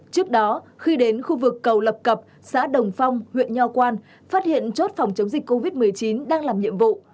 trước đó khi đến khu vực cầu lập cập xã đồng phong huyện nho quan phát hiện chốt phòng chống dịch covid một mươi chín đang làm nhiệm vụ